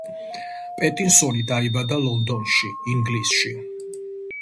პეტინსონი დაიბადა ლონდონში, ინგლისში.